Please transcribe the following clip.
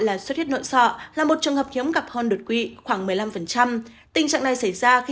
là xuất huyết nội sọ là một trường hợp hiếm gặp hòn đột quỵ khoảng một mươi năm tình trạng này xảy ra khi